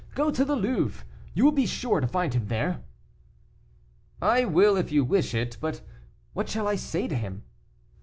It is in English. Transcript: Go to the Louvre; you will be sure to find him there." "I will if you wish it; but what shall I say to him?"